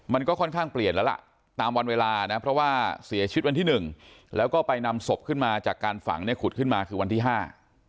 มันก็ค่อนข้างเปลี่ยนแล้วล่ะตามวันเวลานะเพราะว่าเสียชีวิตวันที่หนึ่งแล้วก็ไปนำศพขึ้นมาจากการฝังเนี่ยขุดขึ้นมาคือวันที่ห้า